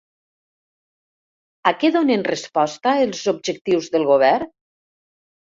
A què donen resposta els objectius del govern?